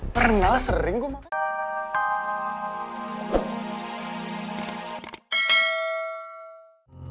pernah sering gue makan